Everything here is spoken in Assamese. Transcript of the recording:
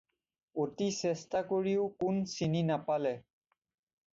অতি চেষ্টা কৰিও কোন চিনি নাপালে।